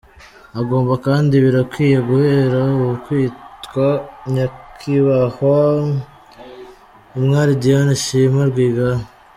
Agomba kandi birakwiye guhera ubu kwitwa Nyakibahwa Umwali Diane Shima Rwigara.